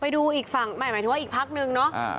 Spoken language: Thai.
ไปดูอีกฝั่งหมายถึงว่าอีกภักดิ์หนึ่งนะ